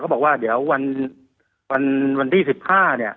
เขาบอกว่าเดี๋ยววันวันวันวันที่สิบห้าเนี่ย